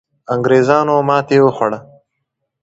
انګریزانو ماتې وخوړه.